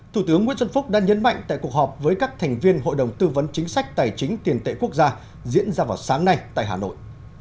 thủ tướng nguyễn xuân phúc đã nhấn mạnh tại cuộc họp với các thành viên hội đồng tư vấn chính sách tài chính tiền tệ quốc gia diễn ra vào sáng nay tại hà nội